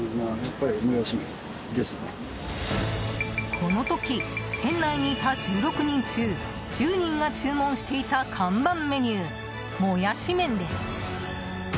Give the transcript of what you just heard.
この時、店内にいた１６人中１０人が注文していた看板メニューもやし麺です。